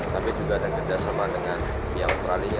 tapi juga ada kerjasama dengan pihak australia